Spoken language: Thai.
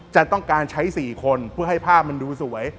จะต้องการใช้๔คนเพื่อให้ภาพมันดูสวย